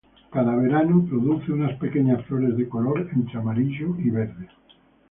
Cada verano, produce unas pequeñas flores de color entre amarillo y verde.